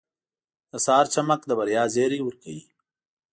• د سهار چمک د بریا زیری ورکوي.